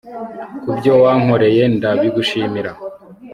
kubyo wankoreye nda bigushimira